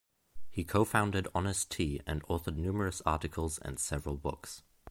He co-founded Honest Tea and authored numerous articles and several books.